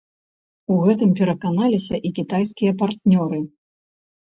У гэтым пераканаліся і кітайскія партнёры.